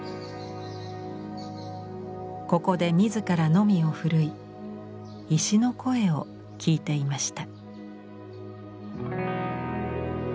ここで自らノミを振るい石の声を聞いていました。